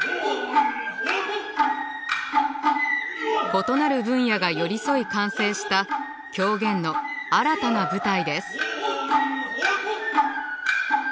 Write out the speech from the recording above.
異なる分野が寄り添い完成した狂言の新たな舞台です。